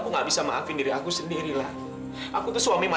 nggak ada dewi